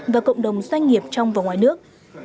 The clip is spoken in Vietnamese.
và cộng đồng doanh nghiệp trong và ngoài nước